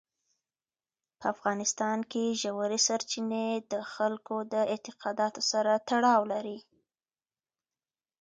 په افغانستان کې ژورې سرچینې د خلکو د اعتقاداتو سره تړاو لري.